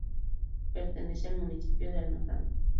Pertenece al municipio de Almazán.